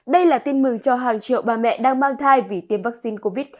đây là tin mừng cho hàng triệu bà mẹ đang mang thai vì tiêm vaccine covid